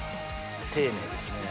丁寧ですね。